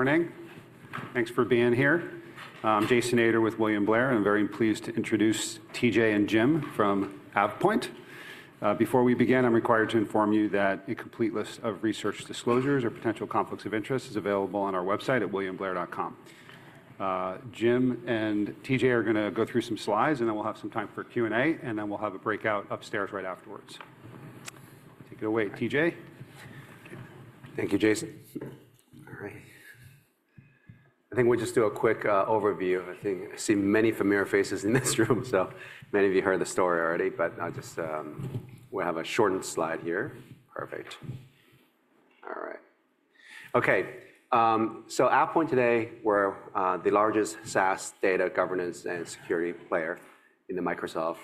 Morning. Thanks for being here. I'm Jason Ader with William Blair, and I'm very pleased to introduce TJ and Jim from AvePoint. Before we begin, I'm required to inform you that a complete list of research disclosures or potential conflicts of interest is available on our website at williamblair.com. Jim and TJ are going to go through some slides, and then we'll have some time for Q&A, and then we'll have a breakout upstairs right afterwards. Take it away, TJ. Thank you, Jason. All right. I think we'll just do a quick overview of the thing. I see many familiar faces in this room, so many of you heard the story already, but I'll just have a shortened slide here. Perfect. All right. OK, so AvePoint today, we're the largest SaaS data governance and security player in the Microsoft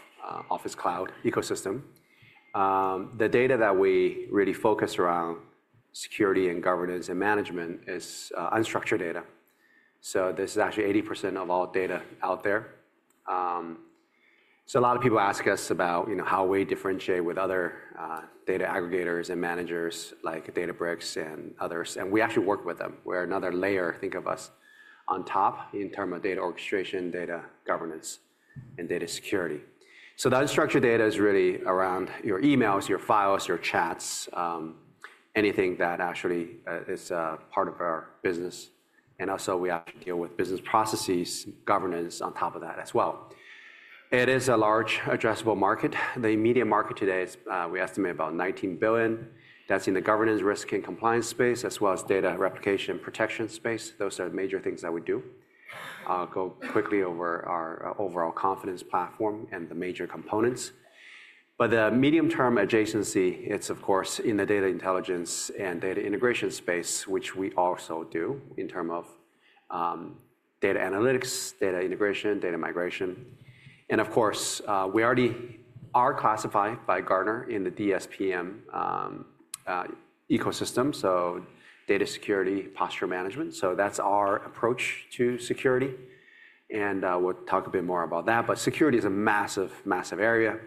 Office Cloud ecosystem. The data that we really focus around security and governance and management is unstructured data. This is actually 80% of all data out there. A lot of people ask us about how we differentiate with other data aggregators and managers like Databricks and others. We actually work with them. We're another layer, think of us, on top in terms of data orchestration, data governance, and data security. The unstructured data is really around your emails, your files, your chats, anything that actually is part of our business. Also, we actually deal with business processes, governance on top of that as well. It is a large, addressable market. The immediate market today is, we estimate, about $19 billion. That's in the governance, risk, and compliance space, as well as data replication and protection space. Those are the major things that we do. I'll go quickly over our overall confidence platform and the major components. The medium-term adjacency, it's, of course, in the data intelligence and data integration space, which we also do in terms of data analytics, data integration, data migration. Of course, we already are classified by Gartner in the DSPM ecosystem, so data security, posture management. That's our approach to security. We'll talk a bit more about that. Security is a massive, massive area.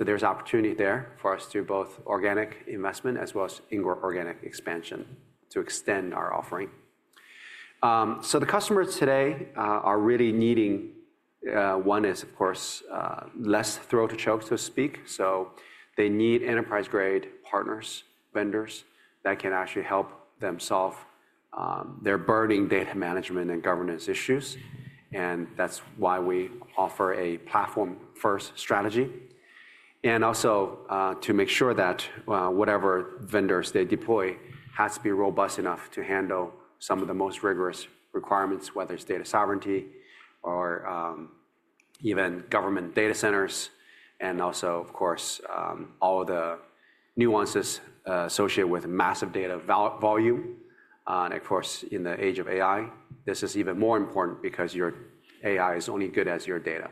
There is opportunity there for us to do both organic investment as well as organic expansion to extend our offering. The customers today are really needing one is, of course, less throat to choke, so to speak. They need enterprise-grade partners, vendors that can actually help them solve their burning data management and governance issues. That is why we offer a platform-first strategy. Also, to make sure that whatever vendors they deploy has to be robust enough to handle some of the most rigorous requirements, whether it is data sovereignty or even government data centers. Also, of course, all the nuances associated with massive data volume. Of course, in the age of AI, this is even more important because your AI is only as good as your data.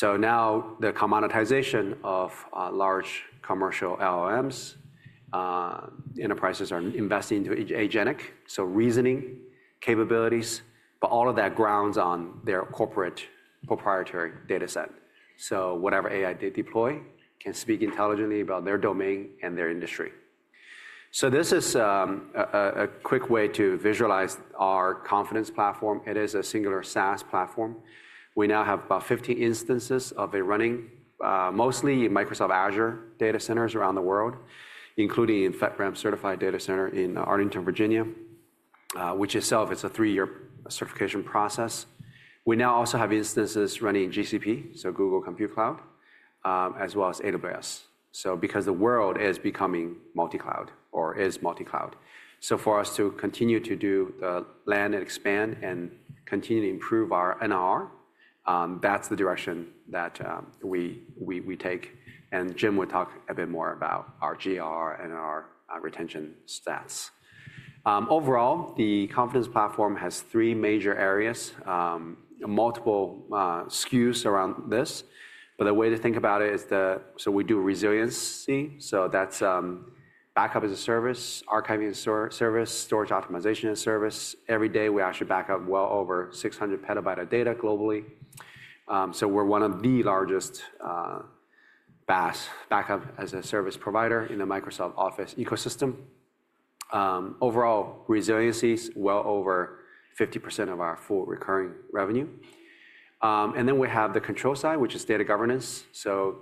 Now the commoditization of large commercial LLMs, enterprises are investing into agentic, so reasoning capabilities. But all of that grounds on their corporate proprietary data set. So whatever AI they deploy can speak intelligently about their domain and their industry. This is a quick way to visualize our Confidence Platform. It is a singular SaaS platform. We now have about 50 instances of it running, mostly in Microsoft Azure data centers around the world, including in FedRAMP-certified data center in Arlington, Virginia, which itself is a three-year certification process. We now also have instances running in GCP, so Google Compute Cloud, as well as AWS. Because the world is becoming multi-cloud or is multi-cloud, for us to continue to do the land and expand and continue to improve our NRR, that's the direction that we take. Jim will talk a bit more about our GR and our retention stats. Overall, the Confidence Platform has three major areas, multiple SKUs around this. The way to think about it is, we do resiliency. That's backup as a service, archiving as a service, storage optimization as a service. Every day, we actually back up well over 600 PB of data globally. We're one of the largest backup as a service providers in the Microsoft Office ecosystem. Overall, resiliency is well over 50% of our full recurring revenue. Then we have the control side, which is data governance, so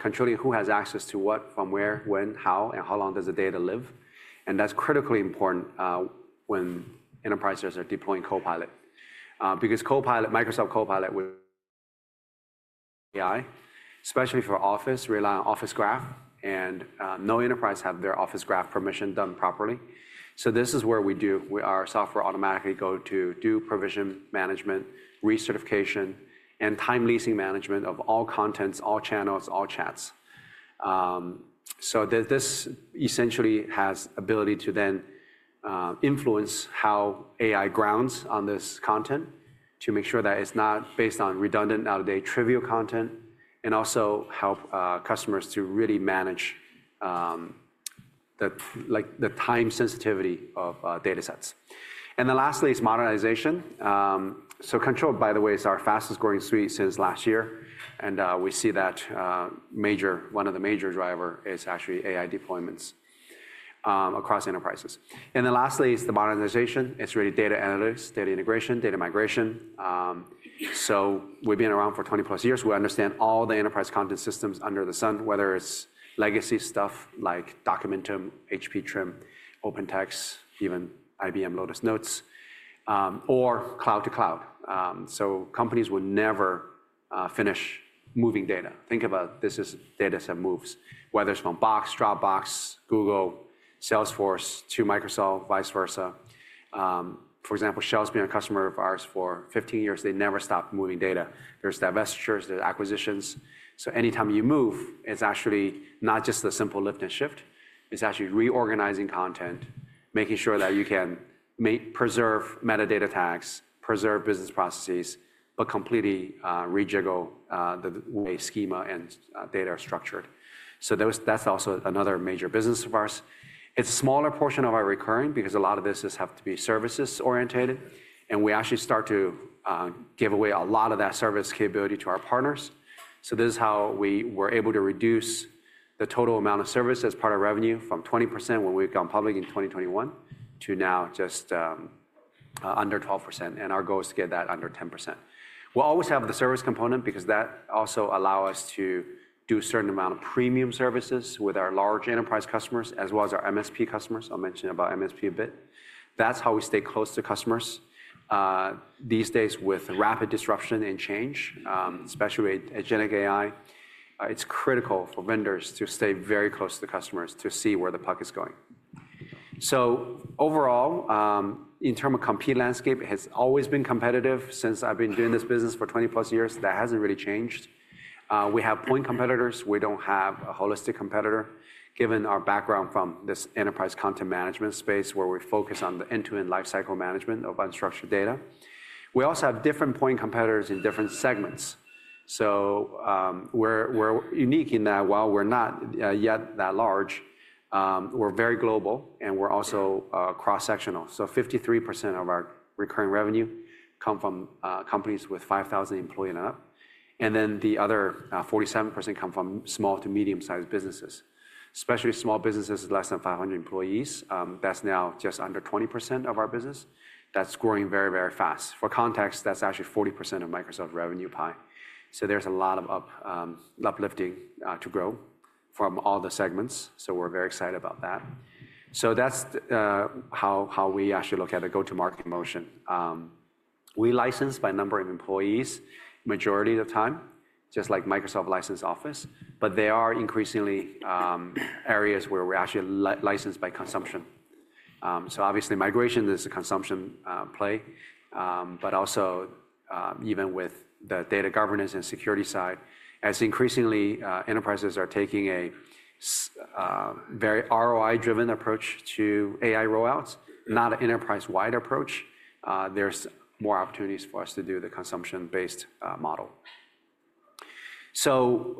controlling who has access to what, from where, when, how, and how long does the data live. That's critically important when enterprises are deploying Copilot. Because Copilot, Microsoft Copilot, especially for Office, rely on Office Graph. No enterprise has their Office Graph permission done properly. This is where we do our software automatically go to do provision management, recertification, and time leasing management of all contents, all channels, all chats. This essentially has the ability to then influence how AI grounds on this content to make sure that it's not based on redundant, out-of-date, trivial content and also help customers to really manage the time sensitivity of data sets. Lastly is modernization. Control, by the way, is our fastest growing suite since last year. We see that one of the major drivers is actually AI deployments across enterprises. Lastly is the modernization. It's really data analytics, data integration, data migration. We've been around for 20+ years. We understand all the enterprise content systems under the sun, whether it's legacy stuff like Documentum, HP Trim, OpenText, even IBM Lotus Notes, or cloud-to-cloud. Companies will never finish moving data. Think about this as data set moves, whether it's from Box, Dropbox, Google, Salesforce to Microsoft, vice versa. For example, Shell's been a customer of ours for 15 years. They never stopped moving data. There's divestitures, there's acquisitions. Anytime you move, it's actually not just a simple lift and shift. It's actually reorganizing content, making sure that you can preserve metadata tags, preserve business processes, but completely rejiggle the way schema and data are structured. That's also another major business of ours. It's a smaller portion of our recurring because a lot of this has to be services orientated. We actually start to give away a lot of that service capability to our partners. This is how we were able to reduce the total amount of service as part of revenue from 20% when we have gone public in 2021 to now just under 12%. Our goal is to get that under 10%. We will always have the service component because that also allows us to do a certain amount of premium services with our large enterprise customers as well as our MSP customers. I will mention about MSP a bit. That is how we stay close to customers. These days, with rapid disruption and change, especially with agentic AI, it is critical for vendors to stay very close to the customers to see where the puck is going. Overall, in terms of compete landscape, it has always been competitive. Since I've been doing this business for 20+ years, that hasn't really changed. We have point competitors. We don't have a holistic competitor given our background from this enterprise content management space where we focus on the end-to-end lifecycle management of unstructured data. We also have different point competitors in different segments. We're unique in that while we're not yet that large, we're very global, and we're also cross-sectional. 53% of our recurring revenue come from companies with 5,000 employees and up. The other 47% come from small to medium-sized businesses. Especially small businesses with less than 500 employees, that's now just under 20% of our business. That's growing very, very fast. For context, that's actually 40% of Microsoft revenue pie. There's a lot of uplifting to grow from all the segments. We're very excited about that. That is how we actually look at the go-to-market motion. We license by number of employees majority of the time, just like Microsoft license Office. There are increasingly areas where we are actually licensed by consumption. Obviously, migration is a consumption play. Also, even with the data governance and security side, as increasingly enterprises are taking a very ROI-driven approach to AI rollouts, not an enterprise-wide approach, there are more opportunities for us to do the consumption-based model.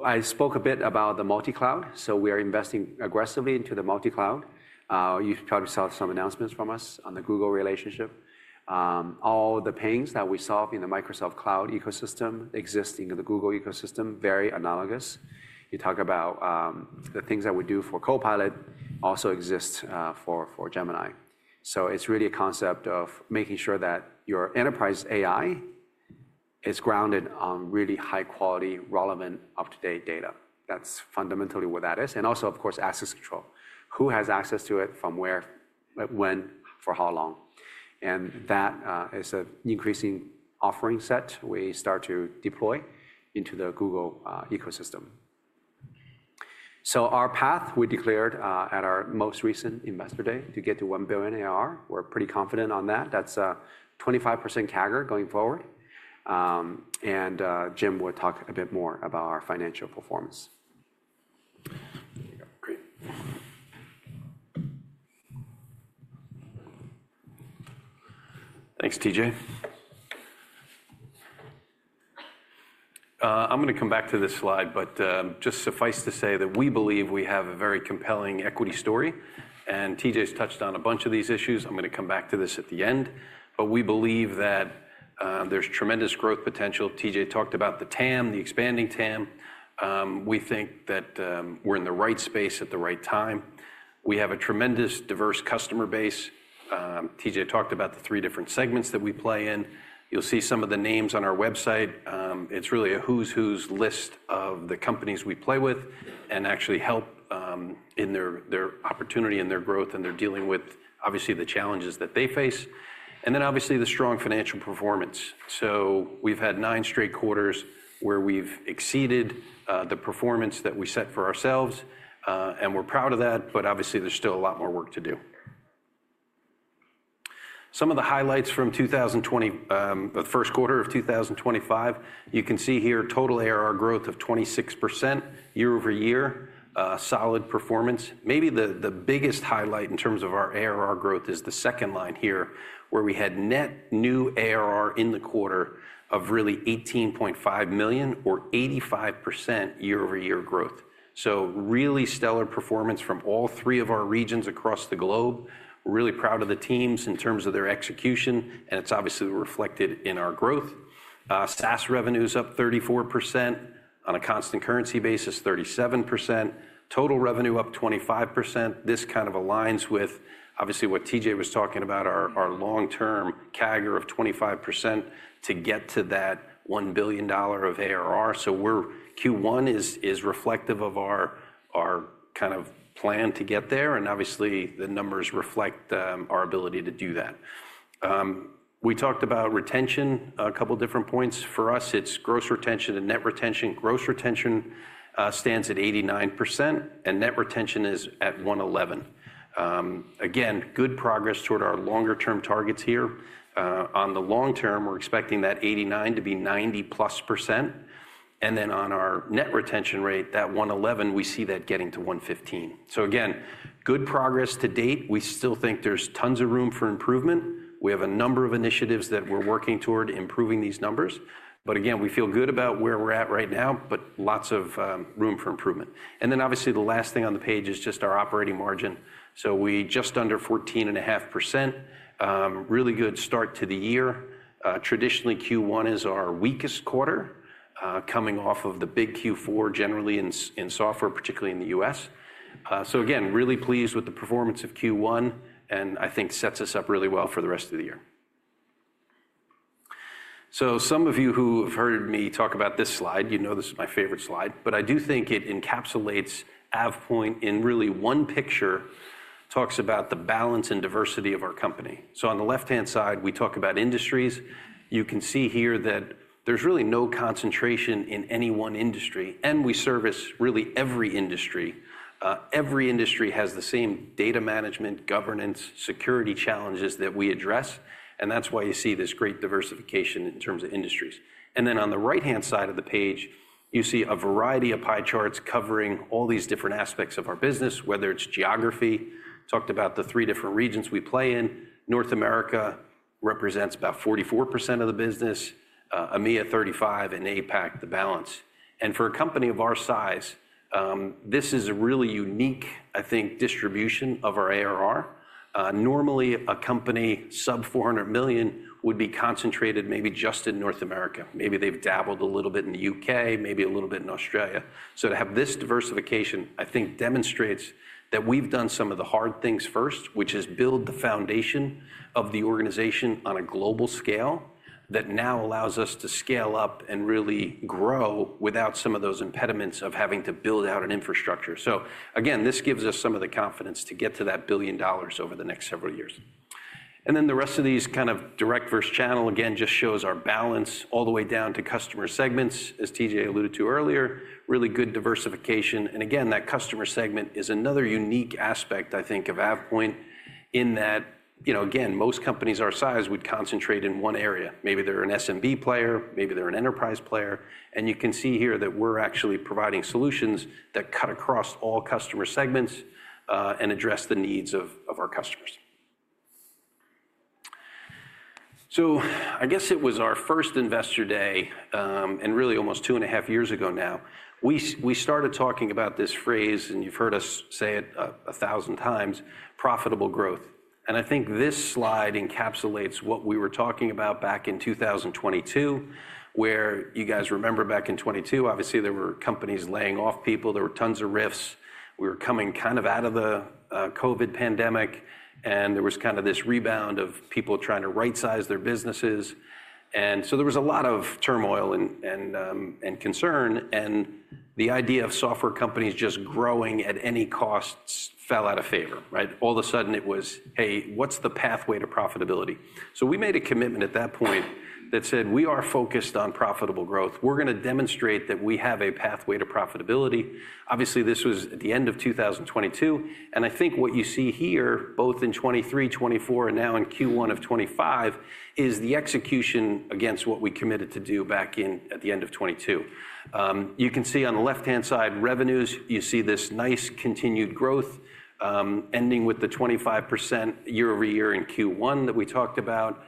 I spoke a bit about the multi-cloud. We are investing aggressively into the multi-cloud. You probably saw some announcements from us on the Google relationship. All the pains that we solve in the Microsoft Cloud ecosystem exist in the Google ecosystem, very analogous. You talk about the things that we do for Copilot also exist for Gemini. It is really a concept of making sure that your enterprise AI is grounded on really high-quality, relevant, up-to-date data. That is fundamentally what that is. Also, of course, access control. Who has access to it, from where, when, for how long? That is an increasing offering set we start to deploy into the Google ecosystem. Our path, we declared at our most recent investor day to get to $1 billion ARR. We are pretty confident on that. That is a 25% CAGR going forward. Jim will talk a bit more about our financial performance. Thanks, TJ. I am going to come back to this slide, but just suffice to say that we believe we have a very compelling equity story. TJ has touched on a bunch of these issues. I am going to come back to this at the end. We believe that there is tremendous growth potential. TJ talked about the TAM, the expanding TAM. We think that we're in the right space at the right time. We have a tremendous diverse customer base. TJ talked about the three different segments that we play in. You'll see some of the names on our website. It's really a who's-who's list of the companies we play with and actually help in their opportunity and their growth. They're dealing with, obviously, the challenges that they face. Obviously, the strong financial performance. We've had nine straight quarters where we've exceeded the performance that we set for ourselves. We're proud of that. Obviously, there's still a lot more work to do. Some of the highlights from the first quarter of 2025, you can see here total ARR growth of 26% year-over-year, solid performance. Maybe the biggest highlight in terms of our ARR growth is the second line here, where we had net new ARR in the quarter of really $18.5 million or 85% year-over-year growth. Really stellar performance from all three of our regions across the globe. Really proud of the teams in terms of their execution. It is obviously reflected in our growth. SaaS revenue is up 34%. On a constant currency basis, 37%. Total revenue up 25%. This kind of aligns with, obviously, what TJ was talking about, our long-term CAGR of 25% to get to that $1 billion of ARR. Q1 is reflective of our kind of plan to get there. Obviously, the numbers reflect our ability to do that. We talked about retention, a couple of different points. For us, it is gross retention and net retention. Gross retention stands at 89%. Net retention is at 111. Again, good progress toward our longer-term targets here. On the long term, we're expecting that 89% to be 90+ %. On our net retention rate, that 111, we see that getting to 115. Again, good progress to date. We still think there's tons of room for improvement. We have a number of initiatives that we're working toward improving these numbers. Again, we feel good about where we're at right now, but lots of room for improvement. Obviously, the last thing on the page is just our operating margin. We are just under 14.5%. Really good start to the year. Traditionally, Q1 is our weakest quarter, coming off of the big Q4 generally in software, particularly in the U.S. Again, really pleased with the performance of Q1. I think sets us up really well for the rest of the year. Some of you who have heard me talk about this slide, you know this is my favorite slide. I do think it encapsulates AvePoint in really one picture, talks about the balance and diversity of our company. On the left-hand side, we talk about industries. You can see here that there is really no concentration in any one industry. We service really every industry. Every industry has the same data management, governance, security challenges that we address. That is why you see this great diversification in terms of industries. On the right-hand side of the page, you see a variety of pie charts covering all these different aspects of our business, whether it is geography. Talked about the three different regions we play in. North America represents about 44% of the business, EMEA 35%, and APAC the balance. For a company of our size, this is a really unique, I think, distribution of our ARR. Normally, a company sub-$400 million would be concentrated maybe just in North America. Maybe they've dabbled a little bit in the U.K., maybe a little bit in Australia. To have this diversification, I think, demonstrates that we've done some of the hard things first, which is build the foundation of the organization on a global scale that now allows us to scale up and really grow without some of those impediments of having to build out an infrastructure. This gives us some of the confidence to get to that billion dollars over the next several years. The rest of these kind of direct versus channel, again, just shows our balance all the way down to customer segments, as TJ alluded to earlier. Really good diversification. That customer segment is another unique aspect, I think, of AvePoint in that, again, most companies our size would concentrate in one area. Maybe they're an SMB player. Maybe they're an enterprise player. You can see here that we're actually providing solutions that cut across all customer segments and address the needs of our customers. I guess it was our first investor day, and really almost two and a half years ago now. We started talking about this phrase, and you've heard us say it a thousand times, profitable growth. I think this slide encapsulates what we were talking about back in 2022, where you guys remember back in 2022, obviously, there were companies laying off people. There were tons of rifts. We were coming kind of out of the COVID pandemic. There was kind of this rebound of people trying to right-size their businesses. There was a lot of turmoil and concern. The idea of software companies just growing at any costs fell out of favor. All of a sudden, it was, hey, what's the pathway to profitability? We made a commitment at that point that said, we are focused on profitable growth. We're going to demonstrate that we have a pathway to profitability. Obviously, this was at the end of 2022. I think what you see here, both in 2023, 2024, and now in Q1 of 2025, is the execution against what we committed to do back at the end of 2022. You can see on the left-hand side, revenues, you see this nice continued growth, ending with the 25% year-over-year in Q1 that we talked about.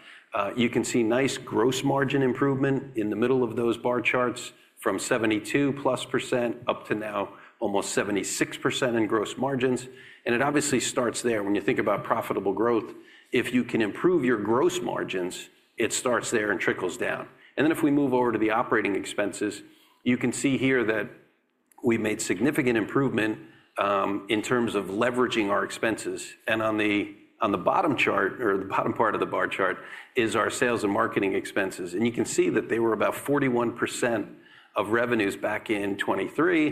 You can see nice gross margin improvement in the middle of those bar charts from 72+% up to now almost 76% in gross margins. It obviously starts there. When you think about profitable growth, if you can improve your gross margins, it starts there and trickles down. If we move over to the operating expenses, you can see here that we made significant improvement in terms of leveraging our expenses. On the bottom chart, or the bottom part of the bar chart, is our sales and marketing expenses. You can see that they were about 41% of revenues back in 2023.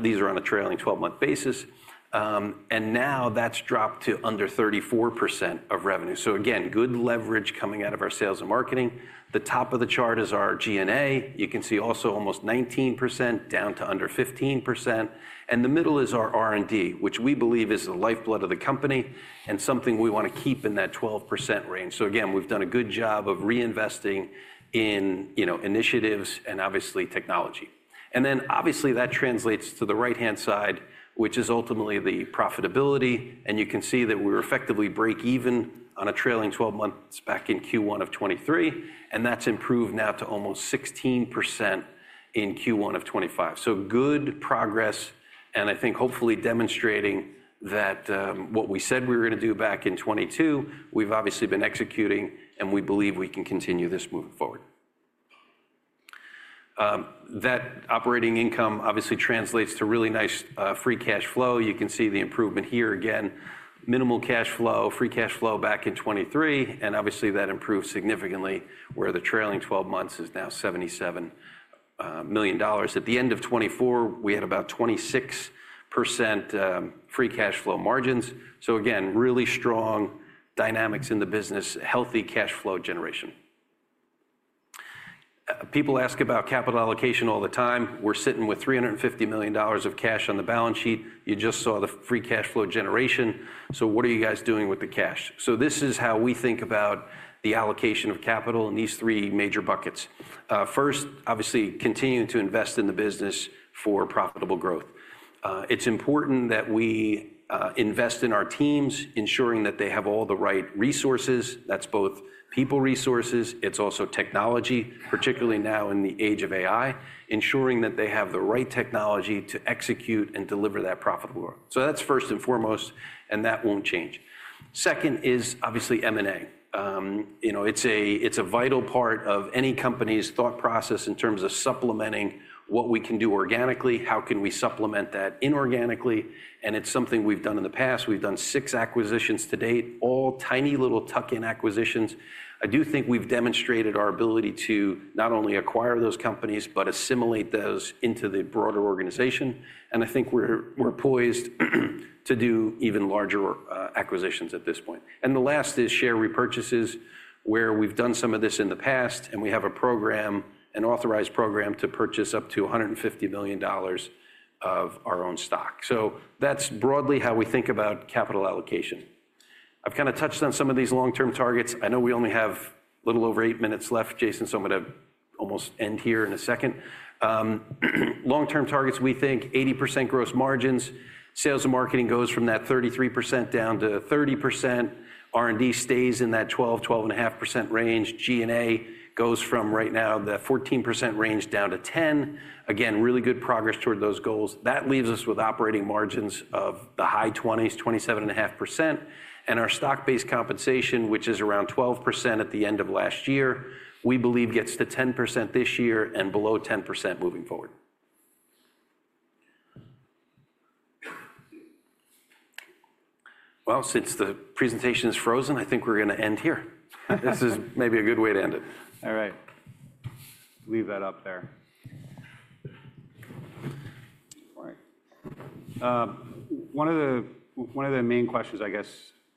These are on a trailing 12-month basis. Now that has dropped to under 34% of revenue. Again, good leverage coming out of our sales and marketing. The top of the chart is our G&A. You can see also almost 19%, down to under 15%. The middle is our R&D, which we believe is the lifeblood of the company and something we want to keep in that 12% range. Again, we have done a good job of reinvesting in initiatives and obviously technology. That translates to the right-hand side, which is ultimately the profitability. You can see that we were effectively break-even on a trailing 12 months back in Q1 of 2023. That has improved now to almost 16% in Q1 of 2025. Good progress. I think hopefully demonstrating that what we said we were going to do back in 2022, we've obviously been executing. We believe we can continue this moving forward. That operating income obviously translates to really nice free cash flow. You can see the improvement here again. Minimal free cash flow back in 2023. That improved significantly, where the trailing 12 months is now $77 million. At the end of 2024, we had about 26% free cash flow margins. Again, really strong dynamics in the business, healthy cash flow generation. People ask about capital allocation all the time. We're sitting with $350 million of cash on the balance sheet. You just saw the free cash flow generation. What are you guys doing with the cash? This is how we think about the allocation of capital in these three major buckets. First, obviously continuing to invest in the business for profitable growth. It's important that we invest in our teams, ensuring that they have all the right resources. That's both people resources. It's also technology, particularly now in the age of AI, ensuring that they have the right technology to execute and deliver that profitable growth. That's first and foremost. That won't change. Second is obviously M&A. It's a vital part of any company's thought process in terms of supplementing what we can do organically. How can we supplement that inorganically? It's something we've done in the past. We've done six acquisitions to date, all tiny little tuck-in acquisitions. I do think we've demonstrated our ability to not only acquire those companies, but assimilate those into the broader organization. I think we're poised to do even larger acquisitions at this point. The last is share repurchases, where we've done some of this in the past. We have a program, an authorized program to purchase up to $150 million of our own stock. That is broadly how we think about capital allocation. I've kind of touched on some of these long-term targets. I know we only have a little over eight minutes left, Jason, so I'm going to almost end here in a second. Long-term targets, we think 80% gross margins. Sales and marketing goes from that 33% down to 30%. R&D stays in that 12%-12.5% range. G&A goes from right now the 14% range down to 10%. Again, really good progress toward those goals. That leaves us with operating margins of the high 20s, 27.5%. Our stock-based compensation, which is around 12% at the end of last year, we believe gets to 10% this year and below 10% moving forward. Since the presentation is frozen, I think we're going to end here. This is maybe a good way to end it. All right. Leave that up there. One of the main questions, I guess,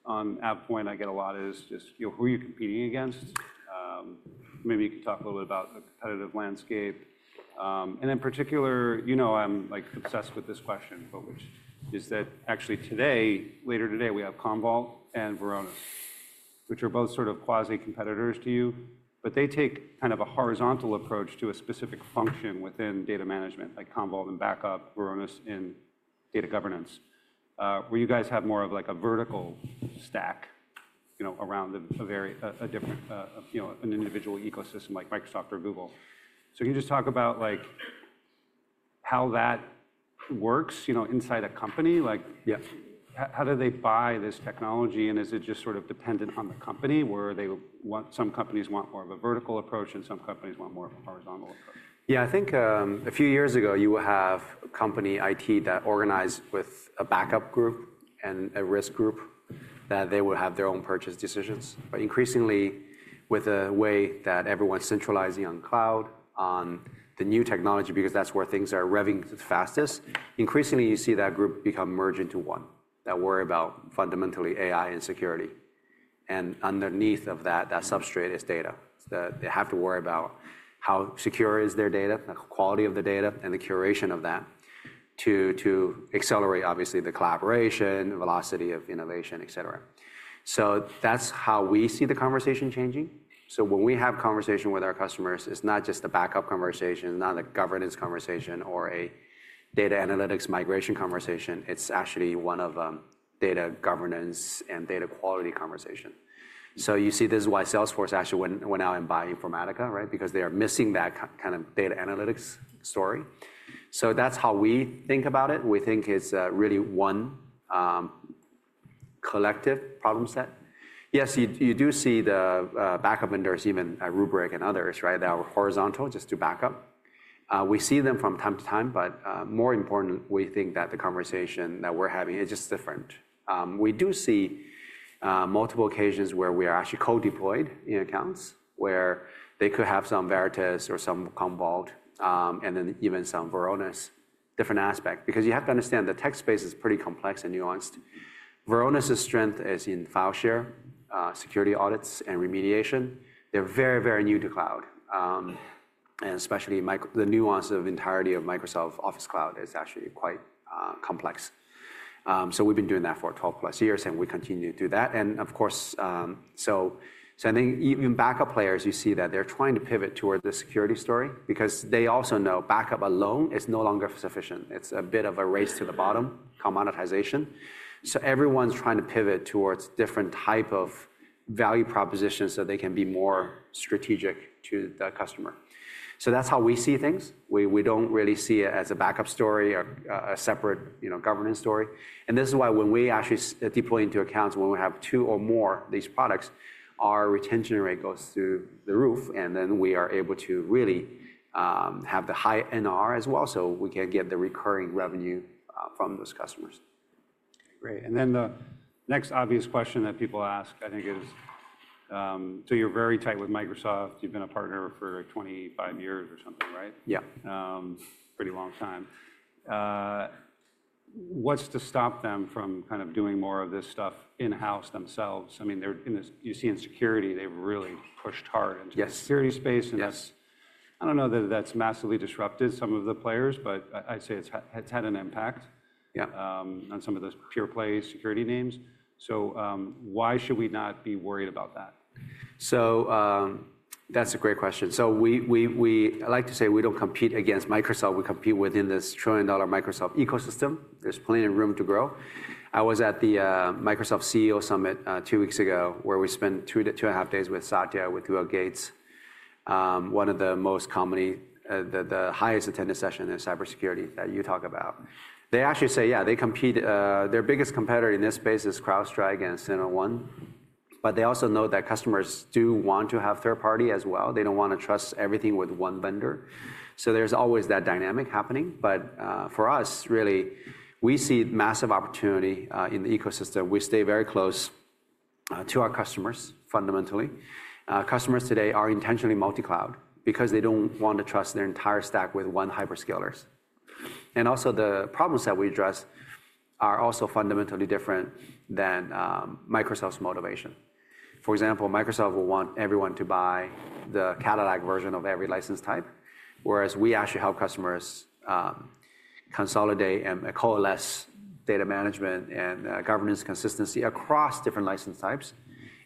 on AvePoint I get a lot is just, who are you competing against? Maybe you can talk a little bit about the competitive landscape. In particular, I'm obsessed with this question, which is that actually today, later today, we have Commvault and Varonis, which are both sort of quasi-competitors to you. They take kind of a horizontal approach to a specific function within data management, like Commvault and backup, Veritas in data governance, where you guys have more of like a vertical stack around an individual ecosystem like Microsoft or Google. Can you just talk about how that works inside a company? How do they buy this technology? Is it just sort of dependent on the company, where some companies want more of a vertical approach and some companies want more of a horizontal approach? Yeah, I think a few years ago you would have company IT that organized with a backup group and a risk group that they would have their own purchase decisions. Increasingly, with the way that everyone's centralizing on cloud, on the new technology, because that's where things are revving the fastest, increasingly you see that group become merged into one. That worry about fundamentally AI and security. Underneath of that, that substrate is data. They have to worry about how secure is their data, the quality of the data, and the curation of that to accelerate, obviously, the collaboration, velocity of innovation, etc. That is how we see the conversation changing. When we have conversation with our customers, it is not just a backup conversation, not a governance conversation, or a data analytics migration conversation. It is actually one of data governance and data quality conversation. You see this is why Salesforce actually went out and bought Informatica, because they are missing that kind of data analytics story. That is how we think about it. We think it is really one collective problem set. Yes, you do see the backup vendors, even a Rubrik and others, that are horizontal, just to back up. We see them from time to time. More importantly, we think that the conversation that we're having, it's just different. We do see multiple occasions where we are actually co-deployed in accounts, where they could have some Veritas or some Commvault, and then even some Varonis. Different aspect, because you have to understand the tech space is pretty complex and nuanced. Varonis' strength is in file share, security audits, and remediation. They're very, very new to cloud. Especially the nuance of entirety of Microsoft Office Cloud is actually quite complex. We have been doing that for 12+ years, and we continue to do that. Of course, I think even backup players, you see that they're trying to pivot toward the security story, because they also know backup alone is no longer sufficient. It's a bit of a race to the bottom, commoditization. Everyone's trying to pivot towards different type of value propositions so they can be more strategic to the customer. That's how we see things. We don't really see it as a backup story or a separate governance story. This is why when we actually deploy into accounts, when we have two or more of these products, our retention rate goes through the roof. We are able to really have the high NR as well so we can get the recurring revenue from those customers. Great. The next obvious question that people ask, I think, is you're very tight with Microsoft. You've been a partner for 25 years or something, right? Yeah. Pretty long time. What's to stop them from kind of doing more of this stuff in-house themselves? I mean, you see in security, they've really pushed hard into the security space. I do not know that that has massively disrupted some of the players, but I would say it has had an impact on some of those pure play security names. Why should we not be worried about that? That is a great question. I like to say we do not compete against Microsoft. We compete within this trillion-dollar Microsoft ecosystem. There is plenty of room to grow. I was at the Microsoft CEO Summit two weeks ago, where we spent two and a half days with Satya, with Bill Gates, one of the most commonly, the highest attendance session in cybersecurity that you talk about. They actually say, yes, their biggest competitor in this space is CrowdStrike and SentinelOne. They also know that customers do want to have third party as well. They do not want to trust everything with one vendor. There is always that dynamic happening. For us, really, we see massive opportunity in the ecosystem. We stay very close to our customers, fundamentally. Customers today are intentionally multi-cloud because they do not want to trust their entire stack with one hyperscaler. Also, the problems that we address are fundamentally different than Microsoft's motivation. For example, Microsoft will want everyone to buy the Cadillac version of every license type, whereas we actually help customers consolidate and coalesce data management and governance consistency across different license types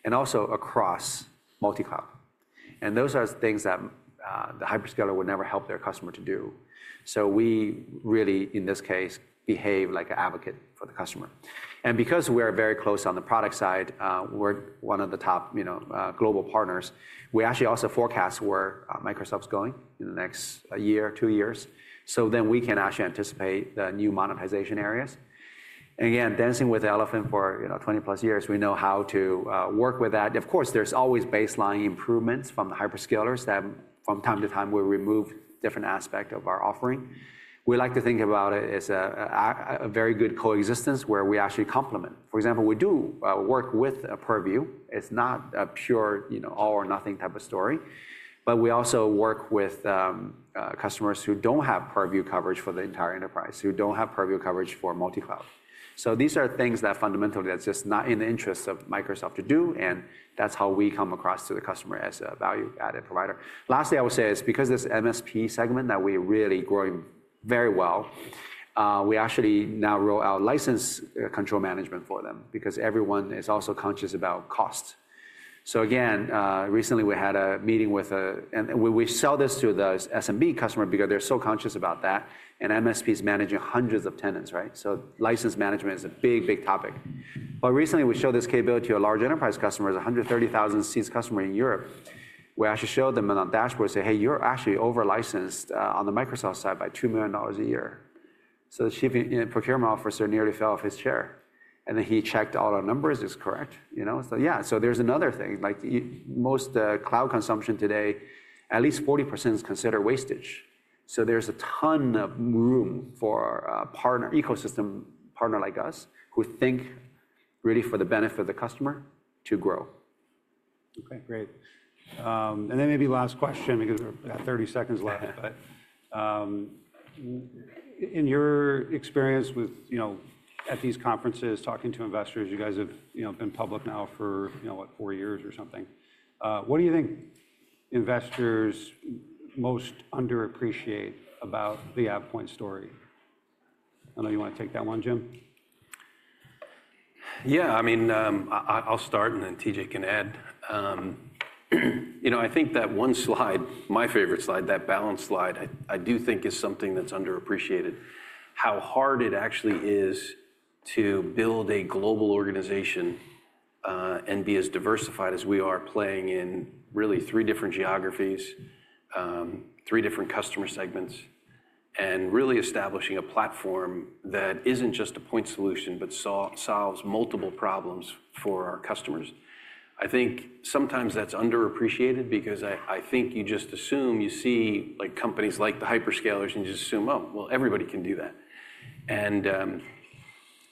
and also across multi-cloud. Those are things that the hyperscaler would never help their customer to do. We really, in this case, behave like an advocate for the customer. Because we are very close on the product side, we are one of the top global partners, we actually also forecast where Microsoft is going in the next year, two years. Then we can actually anticipate the new monetization areas. Again, dancing with the elephant for 20+ years, we know how to work with that. Of course, there are always baseline improvements from the hyperscalers that from time to time will remove different aspects of our offering. We like to think about it as a very good coexistence where we actually complement. For example, we do work with Purview. It is not a pure all or nothing type of story. We also work with customers who do not have Purview coverage for the entire enterprise, who do not have Purview coverage for multi-cloud. These are things that fundamentally are just not in the interests of Microsoft to do. That is how we come across to the customer as a value-added provider. Lastly, I would say it's because this MSP segment that we are really growing very well, we actually now roll out license control management for them because everyone is also conscious about cost. Again, recently we had a meeting with a, and we sell this to the SMB customer because they're so conscious about that. MSPs managing hundreds of tenants, right? License management is a big, big topic. Recently we showed this capability to a large enterprise customer, a 130,000 seats customer in Europe, where I actually showed them on a dashboard, say, hey, you're actually over-licensed on the Microsoft side by $2 million a year. The Chief Procurement Officer nearly fell off his chair. He checked all our numbers, it's correct. Yeah, there's another thing. Most cloud consumption today, at least 40% is considered wastage. There is a ton of room for ecosystem partner like us who think really for the benefit of the customer to grow. Okay, great. Maybe last question because we are at 30 seconds left. In your experience at these conferences, talking to investors, you guys have been public now for, what, four years or something. What do you think investors most underappreciate about the AvePoint story? I know you want to take that one, Jim. Yeah, I mean, I'll start and then TJ can add. I think that one slide, my favorite slide, that balance slide, I do think is something that's underappreciated. How hard it actually is to build a global organization and be as diversified as we are playing in really three different geographies, three different customer segments, and really establishing a platform that isn't just a point solution, but solves multiple problems for our customers. I think sometimes that's underappreciated because I think you just assume, you see companies like the hyperscalers and you just assume, oh, well, everybody can do that.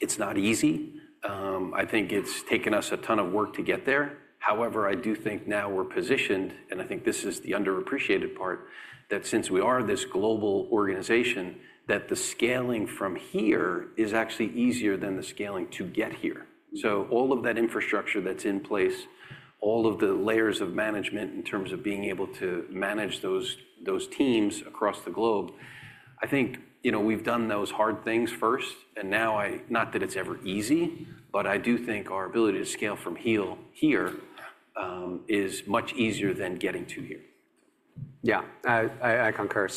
It is not easy. I think it's taken us a ton of work to get there. However, I do think now we're positioned, and I think this is the underappreciated part, that since we are this global organization, the scaling from here is actually easier than the scaling to get here. All of that infrastructure that's in place, all of the layers of management in terms of being able to manage those teams across the globe, I think we've done those hard things first. Now, not that it's ever easy, but I do think our ability to scale from here is much easier than getting to here. Yeah, I concur.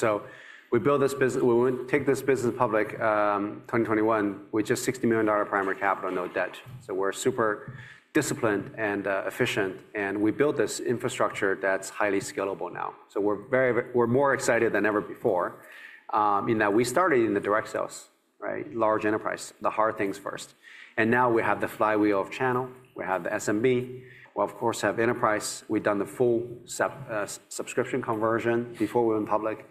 We built this business, we would not take this business public in 2021 with just $60 million primary capital, no debt. We are super disciplined and efficient. We built this infrastructure that is highly scalable now. We are more excited than ever before in that we started in the direct sales, large enterprise, the hard things first. Now we have the flywheel of channel. We have the SMB. We, of course, have enterprise. We have done the full subscription conversion before we went public.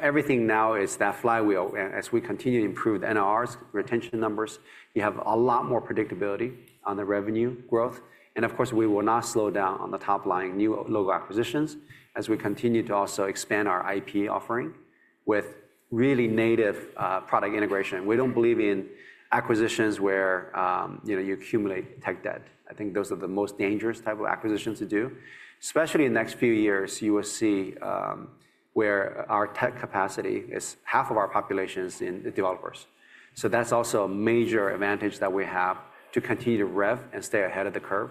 Everything now is that flywheel. As we continue to improve the NRRs, retention numbers, you have a lot more predictability on the revenue growth. We will not slow down on the top line new logo acquisitions as we continue to also expand our IP offering with really native product integration. We do not believe in acquisitions where you accumulate tech debt. I think those are the most dangerous type of acquisitions to do. Especially in the next few years, you will see where our tech capacity is half of our population is in developers. So that's also a major advantage that we have to continue to rev and stay ahead of the curve.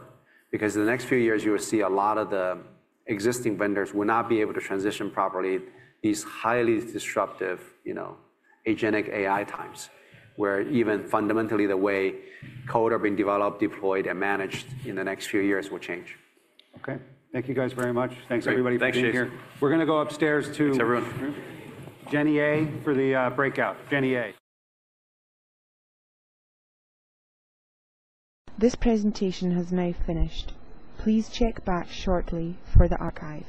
Because in the next few years, you will see a lot of the existing vendors will not be able to transition properly these highly disruptive agentic AI times, where even fundamentally the way code are being developed, deployed, and managed in the next few years will change. Okay, thank you guys very much. Thanks, everybody. Appreciate it here. We're going to go upstairs to Jenny A for the breakout. Jenny A. This presentation has now finished. Please check back shortly for the archives.